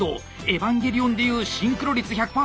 「エヴァンゲリオン」で言うシンクロ率１００％！